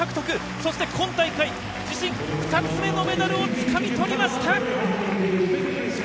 そして今大会自身２つ目のメダルをつかみとりました！